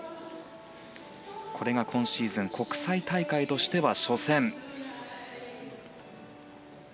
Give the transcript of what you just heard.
これが今シーズン国際大会としては初戦。